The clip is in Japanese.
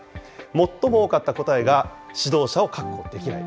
最も多かった答えが指導者を確保できない。